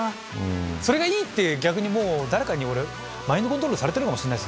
それがいいって逆にもう誰かに俺マインドコントロールされてるかもしれないですね。